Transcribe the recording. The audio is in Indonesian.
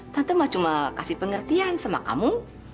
tante mah cuma kasih pengertian sama kamu